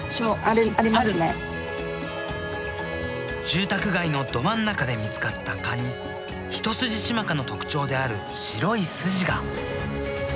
住宅街のど真ん中で見つかった蚊にヒトスジシマカの特徴である白いスジが。